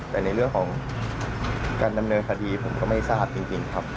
แต่ในเรื่องของการดำเนินคดีผมก็ไม่ทราบจริงครับ